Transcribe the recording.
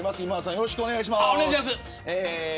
よろしくお願いします。